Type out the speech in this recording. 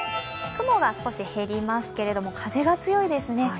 雲が少し減りますけれども、風が強いですね。